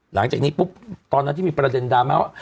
หลังจากนี้ปุ๊บตอนนั้นที่มีประเด็นดราม่าว่า